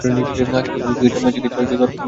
আচ্ছা প্রাথমিক চিকিৎসার বক্স কোথায়?